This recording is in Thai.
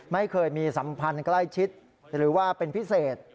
ไม่เคยมีสัมพันธ์ใกล้ชิดหรือว่าเป็นพิเศษ